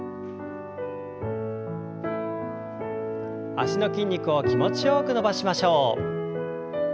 脚の筋肉を気持ちよく伸ばしましょう。